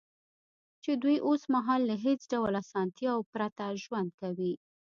چې دوی اوس مهال له هېڅ ډول اسانتیاوو پرته ژوند کوي